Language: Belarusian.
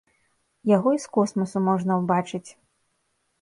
Яго і з космасу можна ўбачыць.